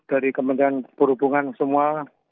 dari kementerian perhubungan semua